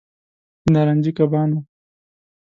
د نارنجي کبانو